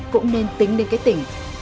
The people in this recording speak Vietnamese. cũng nên tính lên cái tỉnh